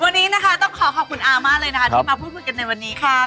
วันนี้นะคะต้องขอขอบคุณอามากเลยนะคะที่มาพูดคุยกันในวันนี้ค่ะ